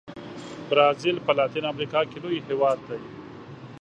برازیل په لاتین امریکا کې لوی هېواد دی.